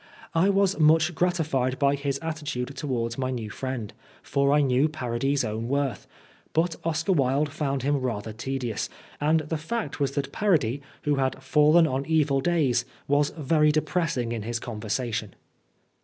I was much grati fied by his attitude towards my new friend, for I knew Parodi's own worth ; but Oscar Wilde found him rather tedious, and the fact was that Parodi, who had fallen on evil 68 Oscar Wilde days, was very depressing in his conversa tion.